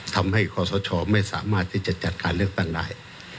ทำให้ขอสอชอไม่สามารถที่จะจัดการเลือกตั้งได้